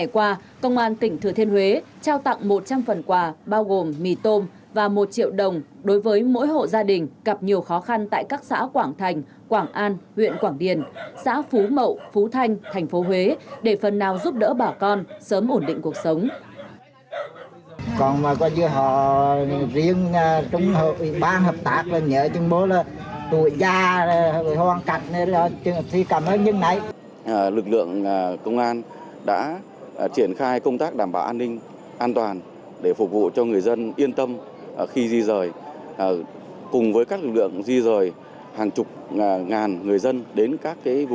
trong hai ngày qua công an tỉnh thừa thiên huế đã đặt bộ phong báo cho các loại dịch vụ